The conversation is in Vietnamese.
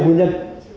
và nguyên nhân